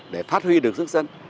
để phát huy được sức dân